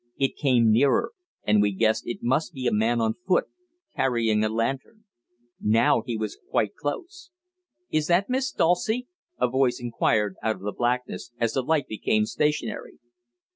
It came nearer, and we guessed it must be a man on foot, carrying a lantern. Now he was quite close. "Is that Miss Dulcie? a voice inquired out of the blackness, as the light became stationary.